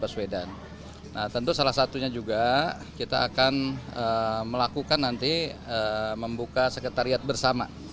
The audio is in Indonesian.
nah tentu salah satunya juga kita akan melakukan nanti membuka sekretariat bersama